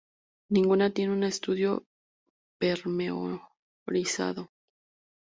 Ninguna tiene un estudio pormenorizado.